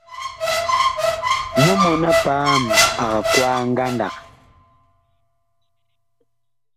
Nyɔ mɔn-a-paam ag kwaa ngandag.